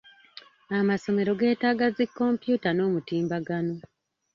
Amasomero geetaaga zi kompyuta n'omutimbagano.